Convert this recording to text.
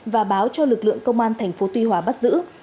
và báo cho lực lượng công an thành phố tuy hòa bắt giữ